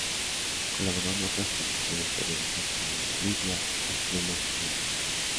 Colaboró en otras publicaciones periódicas como "La Lidia" y "Pluma y Lápiz".